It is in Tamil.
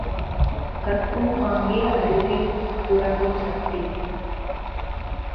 கற்கும் பாங்கே அறிவைத் துரண்டும் சக்தி!